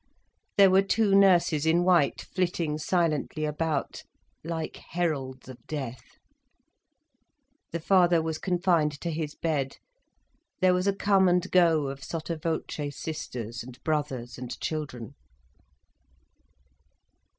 There were two nurses in white, flitting silently about, like heralds of death. The father was confined to his bed, there was a come and go of sotto voce sisters and brothers and children.